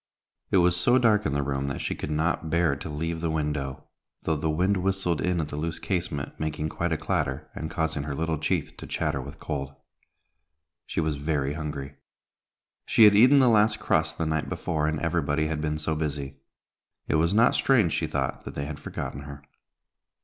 It was so dark in the room that she could not bear to leave the window, though the wind whistled in at the loose casement, making quite a clatter, and causing her little teeth to chatter with cold. She was very hungry. She had eaten the last crust the night before, and everybody had been so busy. It was not strange, she thought, that they had forgotten her.